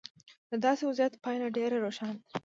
د داسې وضعیت پایله ډېره روښانه ده.